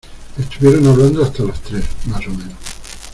Estuvieron hablando hasta las tres, más o menos.